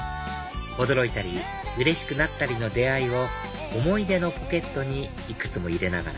驚いたりうれしくなったりの出会いを思い出のポケットにいくつも入れながら